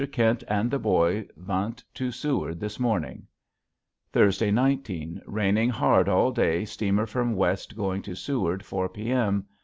Kint and the Boy vant to seward this morning. T. 19. raining heard all day steamer from West going to seward 4 P.M.